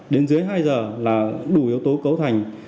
đến dưới hai giờ là đủ yếu tố cấu thành